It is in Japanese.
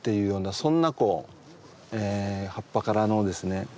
そんなこう葉っぱからのですね